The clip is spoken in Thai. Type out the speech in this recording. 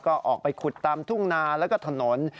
ก็ออกไปขุดตามทุ่งนาแล้วก็ถนน